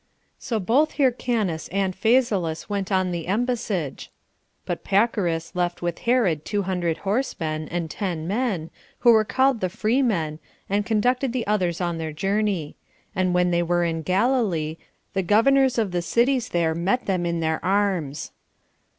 5. So both Hyrcanus and Phasaelus went on the embassage; but Pacorus left with Herod two hundred horsemen, and ten men, who were called the freemen, and conducted the others on their journey; and when they were in Galilee, the governors of the cities there met them in their arms.